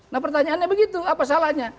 nah pertanyaannya begitu apa salahnya